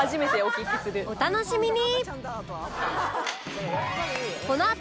お楽しみに！